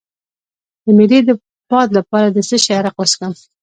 د معدې د باد لپاره د څه شي عرق وڅښم؟